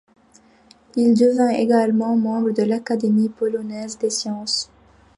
Il devint également membre de l'Académie polonaise des sciences.